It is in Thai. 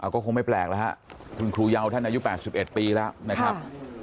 ก็คงไม่แปลกแล้วฮะคุณครูเยาท่านอายุ๘๑ปีแล้วนะครับ